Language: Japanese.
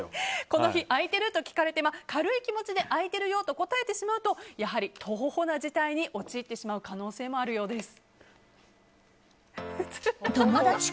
この日空いてる？と聞かれて軽い気持ちであいてるよと答えてしまうとやはりトホホな事態に陥ってしまう可能性もあるようです。